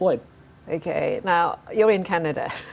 oke sekarang kamu berada di kanada